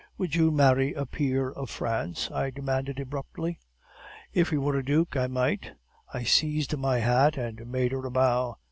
"'Would you marry a peer of France?' I demanded abruptly. "'If he were a duke, I might.' "I seized my hat and made her a bow.